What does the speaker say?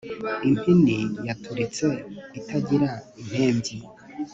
impini yaturitse itagira impembyi